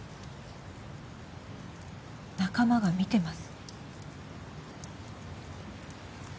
仲間が見てます